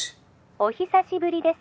☎お久しぶりです